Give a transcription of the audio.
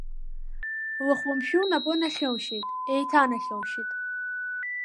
Лыхәламшәы лнапы нахьылшьит, еиҭанахьылшьит.